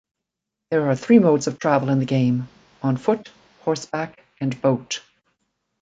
There are three modes of travel in the game: on foot, horseback, and boat.